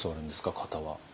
型は。